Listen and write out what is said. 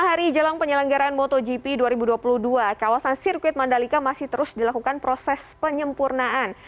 lima hari jelang penyelenggaraan motogp dua ribu dua puluh dua kawasan sirkuit mandalika masih terus dilakukan proses penyempurnaan